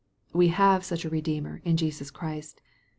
We have such a Redeemer in Jesus Christ.